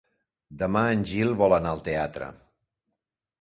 Demà en Gil vol anar al teatre.